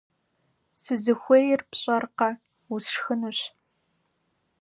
- Сызыхуейр пщӏэркъэ: усшхынущ.